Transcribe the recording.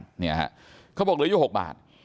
เขาบอกเหลือ๖บาท